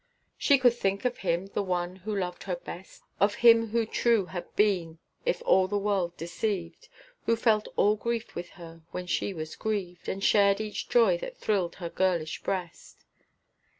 She could think of him, the one who loved her best, Of him who true had been if all the world deceived, Who felt all grief with her when she was grieved, And shared each joy that thrilled her girlish breast.